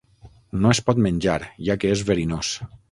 No es pot menjar, ja que és verinós.